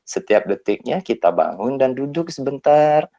setiap detiknya kita bangun dan duduk sebentar